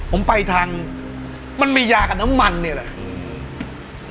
ผมไปทางมันมียากับน้ำมันเนี่ยแหละ